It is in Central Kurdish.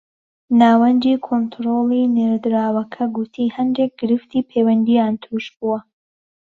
ناوەندی کۆنتڕۆڵی نێردراوەکە گوتی هەندێک گرفتی پەیوەندییان تووش بووە